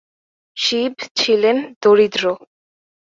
শিব ছিলেন দরিদ্র।